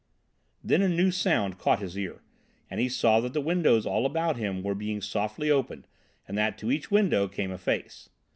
Then a new sound caught his ear, and he saw that the windows all about him were being softly opened, and that to each window came a face.